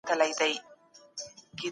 تعاون د بري لاره ده.